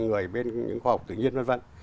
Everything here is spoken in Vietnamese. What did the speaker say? người bên những khoa học tự nhiên v v